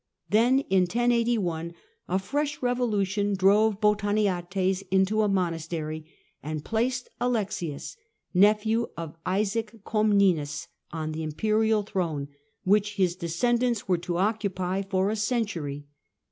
Then, in 1078 1081 1081, a fresh revolution drove Botaniates into a monastery, and placed Alexius, nephew of Isaac Comnenus, on the Alexius l, imperial throne, which his descendants were to occupy losi^ns^' for a century.